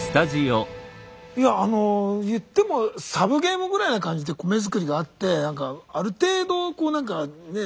いやあの言ってもサブゲームぐらいな感じで米作りがあって何かある程度こう何かねえ